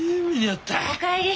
お帰り。